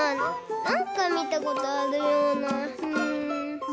なんかみたことあるようなうん。